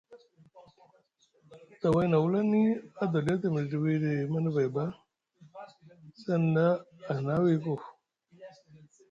Daway na wulani adoliyo te miɗiɗi wiɗi Manavay ɓa seŋ ɗa ahina wiku.